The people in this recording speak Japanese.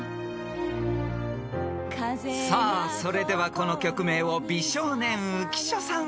［さあそれではこの曲名を美少年浮所さん